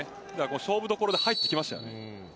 勝負どころで入ってきましたよね。